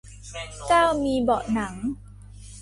เก้ามีเบาะหนัง